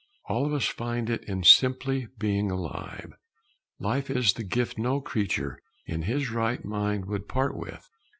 All of us find it in simply being alive. Life is the gift no creature in his right mind would part with.